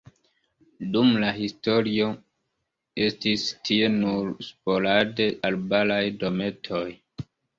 Dum la historio estis tie nur sporade arbaraj dometoj.